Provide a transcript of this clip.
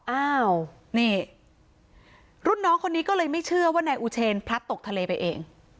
อ้าวนี่รุ่นน้องคนนี้ก็เลยไม่เชื่อว่านายอูเชนพลัดตกทะเลไปเอง